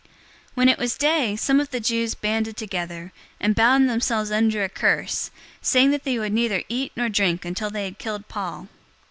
023:012 When it was day, some of the Jews banded together, and bound themselves under a curse, saying that they would neither eat nor drink until they had killed Paul.